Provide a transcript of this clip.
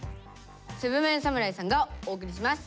７ＭＥＮ侍さんがお送りします。